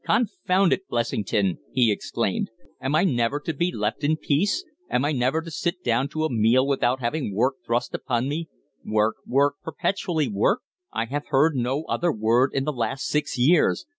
"Confound it, Blessington!" he exclaimed. "Am I never to be left in peace? Am I never to sit down to a meal without having work thrust upon me? Work work perpetually work? I have heard no other word in the last six years.